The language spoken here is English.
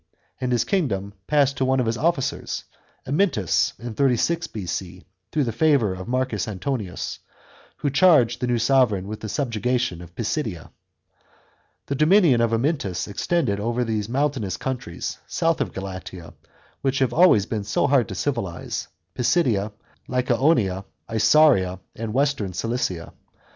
and his kingdom passed to one of his officers, Amyntas, in 36 B.C., through the favour of Marcus Antonius, who charged the new sovran with the subjugation of Pisidia. The dominion of Amyntas extended over those mountainous countries, south of Galatia, which have always been so hard to civilise — Pisidia, Lycaonia, Isauria and western Cilicia.